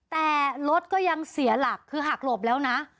แต่รถก็ยังเสียหลักคือหักหลบแล้วนะ